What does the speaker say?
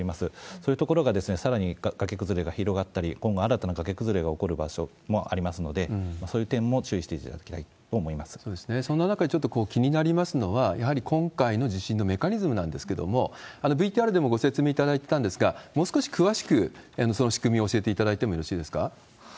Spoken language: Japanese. そういう所がさらに崖崩れが広がったり、今後、新たな崖崩れが起こる場所もありますので、そういう点も注意してそうですね、そんな中、ちょっと気になりますのは、やはり今回の地震のメカニズムなんですけれども、ＶＴＲでもご説明いただいてたんですが、もう少し詳しく、その仕組みを教えていただいてもよろしいですか？